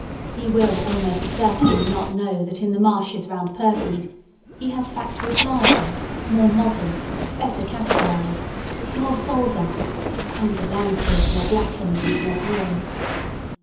He will almost certainly not know that, in the marshes round Purfleet, he has factories larger, more modern, better capitalised, more solvent, and a landscape more blackened and more grim.